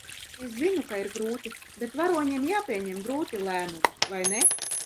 Es zinu, ka ir grūti, bet varoņiem jāpieņem grūti lēmumi, vai ne?